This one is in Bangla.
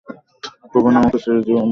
কখনো আমাকে ছেড়ে যেও না।